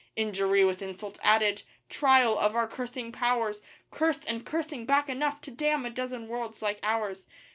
Injury with insult added trial of our cursing powers Cursed and cursing back enough to damn a dozen worlds like ours.